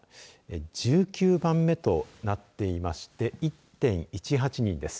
１９番目となっていまして１．１８人です。